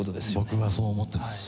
僕はそう思ってます。